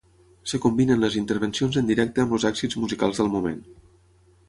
Es combinen les intervencions en directe amb els èxits musicals del moment.